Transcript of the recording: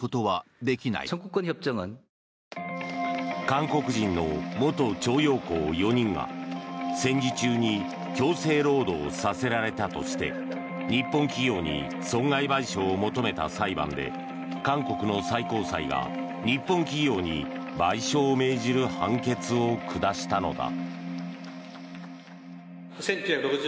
韓国人の元徴用工４人が戦時中に強制労働させられたとして日本企業に損害賠償を求めた裁判で韓国の最高裁が、日本企業に賠償を命じる判決を下したのだ。